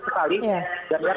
waktu itu masih tentatif sekali